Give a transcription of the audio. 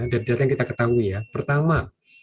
dari data yang kita ketahui ya pertama